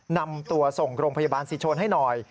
นำตัวส่งโรงพยาบาลสิชนให้หน่อย